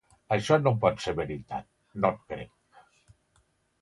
Això no pot ser veritat, no et crec.